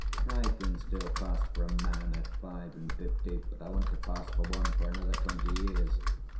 "I can still pass for a man at five and fifty, but I want to pass for one for another twenty years.